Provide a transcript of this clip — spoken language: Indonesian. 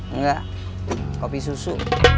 enggak kopi susu